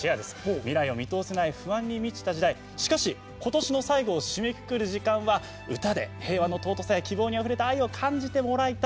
未来を見通せない不安に満ちた時代しかし今年の最後を締めくくる時間は歌で平和の尊さや希望にあふれた時間を感じてもらいたい。